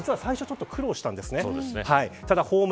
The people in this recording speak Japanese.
実は最初ちょっと苦労したんですね。